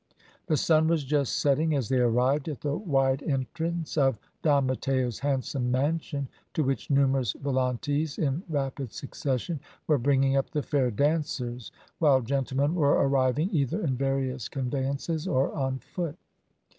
The sun was just setting as they arrived at the wide entrance of Don Matteo's handsome mansion, to which numerous volantes, in rapid succession, were bringing up the fair dancers, while gentlemen were arriving either in various conveyances or on foot.